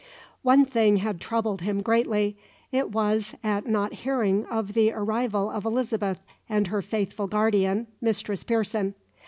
One thing had troubled him greatly; it was at not hearing of the arrival of Elizabeth and her faithful guardian, Mistress Pearson.